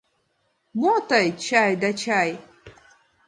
— Мо тый «чай да чай»!..